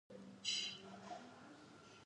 انحصار پانګوال په یو ډول مجبور کړل